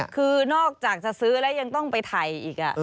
คือนอกจากจะซื้อแล้วยังต้องไปถ่ายอีก